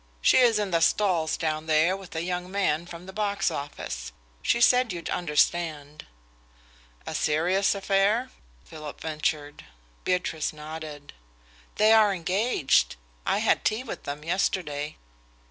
"She is in the stalls down there with a young man from the box office. She said you'd understand." "A serious affair?" Philip ventured. Beatrice nodded. "They are engaged. I had tea with them yesterday."